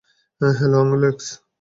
Hello, Alex.